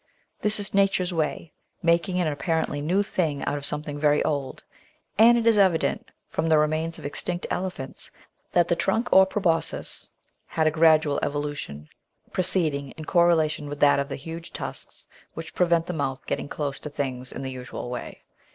This is Nature's way, making an apparently new thing out of something very old ; and it is evident from the remains of extinct elephants that the trunk or proboscis had a gradual evolution, proceeding in correlation with that of the huge tusks which prevent the mouth getting close to things in the usual way.